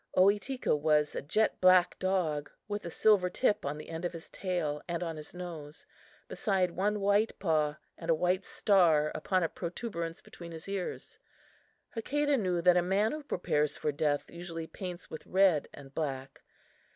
Ohitika was a jet black dog, with a silver tip on the end of his tail and on his nose, beside one white paw and a white star upon a protuberance between his ears. Hakadah knew that a man who prepares for death usually paints with red and black.